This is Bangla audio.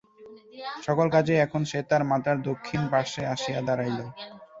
সকল কাজেই এখন সে তার মাতার দক্ষিণপার্শ্বে আসিয়া দাঁড়াইল।